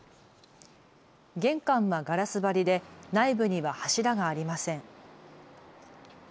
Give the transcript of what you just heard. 玄関はガラス張りで内部には柱がありません。